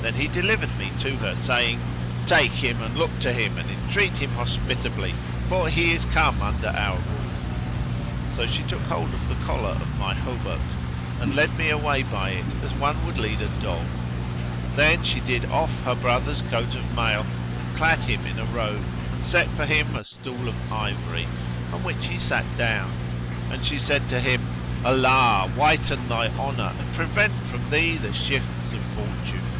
Then he delivered me to her, saying, "Take him and look to him and entreat him hospitably, for he is come under our rule." So she took hold of the collar of my hauberk[FN#125] and led me away by it as one would lead a dog. Then she did off her brother's coat of mail and clad him in a robe, and set for him a stool of ivory, on which he sat down; and she said to him, "Allah whiten thy honour and prevent from thee the shifts of fortune!"